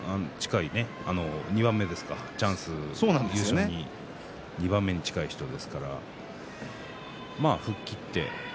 チャンスの優勝に２番目に近い人ですから吹っ切って。